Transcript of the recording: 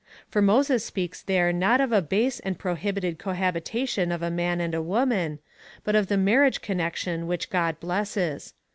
For Moses speaks there not of a base and prohibited cohabitation of a man and a woman, but of the marriage connection which God blesses.